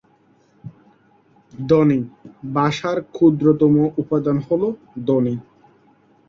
ধ্বনি: ভাষার ক্ষুদ্রতম উপাদান হলো ধ্বনি।